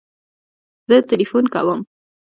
زه تلیفون کوم